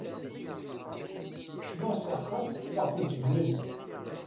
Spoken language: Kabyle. Kecmeɣ s axxam, afeɣ-tent gnent.